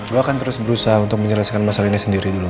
gue akan terus berusaha untuk menyelesaikan masalah ini sendiri dulu